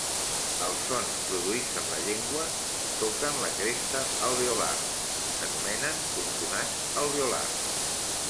Els sons produïts amb la llengua tocant la cresta alveolar s'anomenen consonats alveolars.